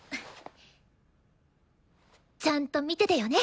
ちゃんと見ててよね！